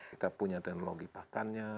kita punya teknologi pakannya